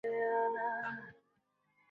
আপনি তো তাকে দেখেননি।